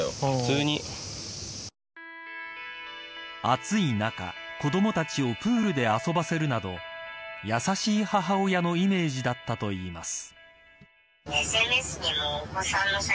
暑い中子どもたちをプールで遊ばせるなど優しい母親のイメージだったといいます。